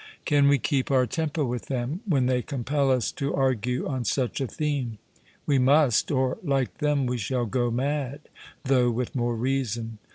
Can we keep our temper with them, when they compel us to argue on such a theme? We must; or like them we shall go mad, though with more reason.